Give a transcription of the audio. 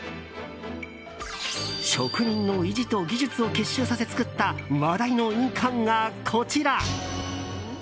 職人の意地と技術を結集させ作った話題の印鑑が、こちら。